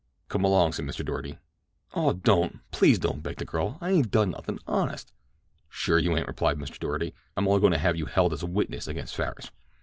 "Come along," said Mr. Doarty. "Aw, don't. Please don't!" begged the girl. "I ain't done nothing, honest!" "Sure you ain't," replied Mr. Doarty. "I'm only goin' to have you held as a witness against Farris.